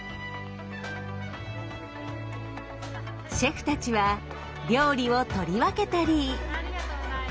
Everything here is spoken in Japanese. シェフたちは料理を取り分けたり。